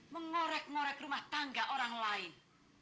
mengorek ngorek rumah tangga orang lain